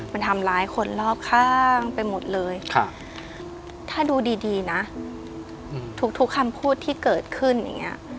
มันทำร้ายคนรอบข้างไปหมดเลยถ้าดูดีนะทุกคำพูดที่เกิดขึ้นอย่างนี้